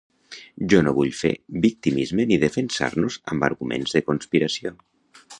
Jo no vull fer victimisme ni defensar-nos amb arguments de conspiració.